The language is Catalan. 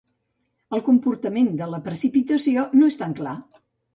El comportament de la precipitació no és tan clar.